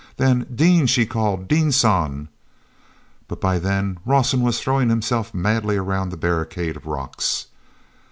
Then, "Dean!" she called. "Dean San!" But by then, Rawson was throwing himself madly around the barricade of rocks.